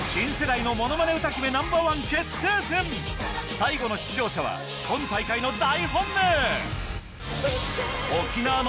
最後の出場者は今大会の大